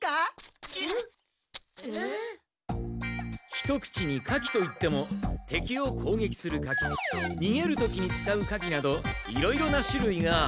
一口に火器といっても敵をこうげきする火器にげる時に使う火器などいろいろなしゅるいがある。